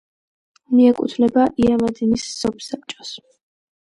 მიეკუთვნება იამადინის სოფსაბჭოს.